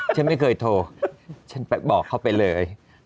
ฉันไม่เคยโทรฉันไปบอกเขาไปเลย